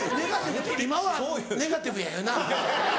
今はネガティブやよな。